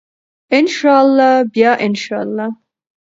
ان شاء الله بیا ان شاء الله.